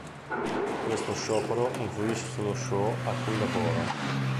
Questo sciopero influisce sullo show a cui lavoro.